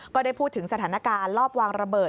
ก็ได้พูดถึงสถานการณ์รอบวางระเบิด